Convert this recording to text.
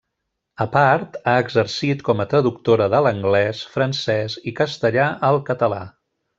A part, ha exercit com a traductora de l'anglès, francès i castellà al català.